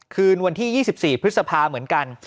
คืนวันที่๒๔พฤษภาเหมือนกัน